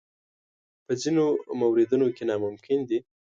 په ځینو موردونو کې ناممکن دي.